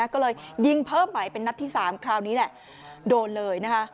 ก็เลยยิงเพิ่มใหม่เป็นนัดที่๓คราวนี้แหละโดนเลยนะคะ